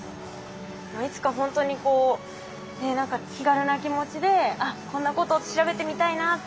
いつかほんとにこう何か気軽な気持ちであっこんなことを調べてみたいなっていう。